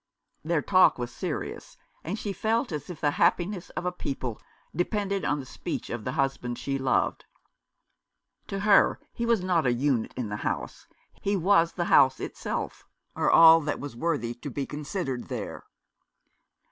Their talk was serious, and she felt as if the happiness of a people depended on the speech of the husband she loved. To her he was not a unit in the House ; he was the House itself, or all that was worthy to be considered there.